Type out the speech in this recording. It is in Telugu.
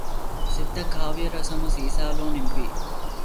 స్నిగ్ధ కావ్యరసము సీసాలలో నింపి